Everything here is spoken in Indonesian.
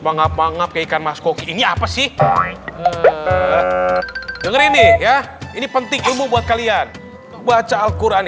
manggap manggap ikan maskoki ini apa sih dengerin nih ya ini penting ilmu buat kalian baca alquran